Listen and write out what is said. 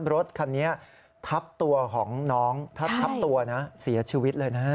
รถคันนี้ทับตัวของน้องถ้าทับตัวนะเสียชีวิตเลยนะ